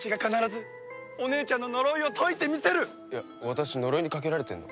私呪いにかけられてるの？